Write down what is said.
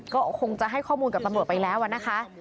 ก็คงจะให้ข้อมูลกับตำรวจไปแล้วนะคะ